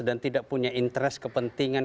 dan tidak punya interest kepentingan